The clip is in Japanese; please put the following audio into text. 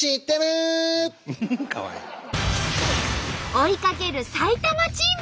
追いかける埼玉チーム。